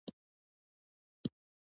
هم ملامته وي، هم ټسکېږي.